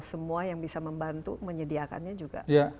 semua yang bisa membantu menyediakannya juga